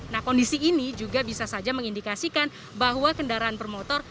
nah kondisi ini juga bisa saja mengindikasikan bahwa kendaraan bermotor